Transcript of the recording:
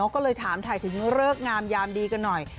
ก็เลยถามถ่ายถึงเลิกงามยามดีกันหน่อย